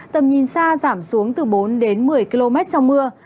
tầm nhìn xa giảm xuống từ bốn đến một mươi km trong mưa